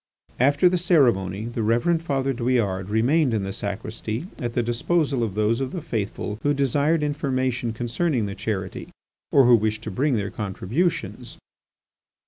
After the ceremony, the Reverend Father Douillard remained in the sacristy at the disposal of those of the faithful who desired information concerning the charity, or who wished to bring their contributions.